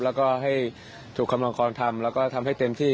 แล้วก็ให้ถูกกำลังคอนทำแล้วก็ทำให้เต็มที่